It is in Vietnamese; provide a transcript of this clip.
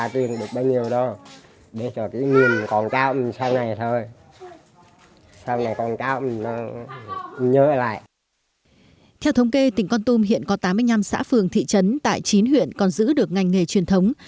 theo thống kê tỉnh con tum hiện có tám mươi năm xã phường thị trấn tại chín huyện còn giữ được ngành nghề truyền thống